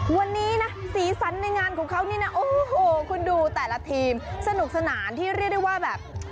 วันนี้นะสีสันในงานของเขานี่นะโอ้โหคุณดูแต่ละทีมสนุกสนานที่เรียกได้ว่าแบบ